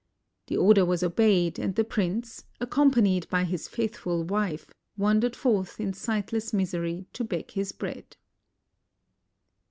The order was obeyed, and the prince, accompanied by his faithful wife, wan dered forth in sightless misery to beg his bread.